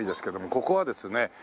ここはですね